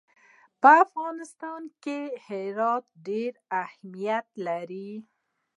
په افغانستان کې هرات ډېر اهمیت لري.